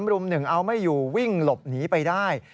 รุม๑เอาไม่อยู่วิ่งหลบหนีไปได้